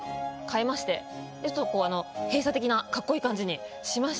ちょっとこう閉鎖的なカッコいい感じにしました。